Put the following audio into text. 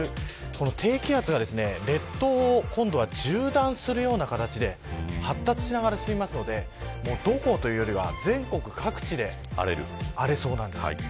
低気圧が列島を今度は縦断するような形で発達しながら進むのでどこ、というよりは全国各地で荒れそうなんです。